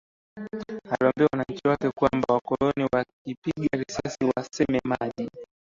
Aliawaambia wananchi wake kwamba wakoloni wakipiga risasi waseme maji